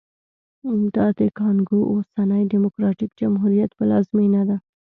دا د کانګو اوسني ډیموکراټیک جمهوریت پلازمېنه ده